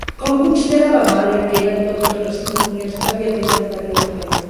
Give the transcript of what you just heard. Com considerava Mahler que eren totes les simfonies que havia fet anteriorment?